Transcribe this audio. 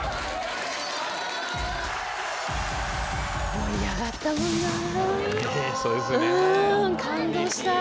盛り上がったもんなあ。